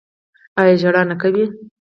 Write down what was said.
ایا ژړا نه کوي؟